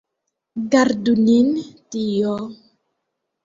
Gardu nin Dio!